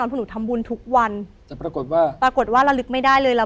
เพราะหนูทำบุญทุกวันปรากฏว่าละลึกไม่ได้เลย